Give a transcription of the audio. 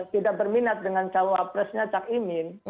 tidak berminat dengan jawab presnya cak imin